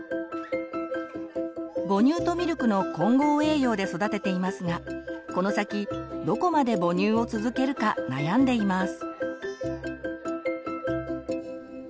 母乳とミルクの混合栄養で育てていますがこの先どこまで母乳を続けるか悩んでいます。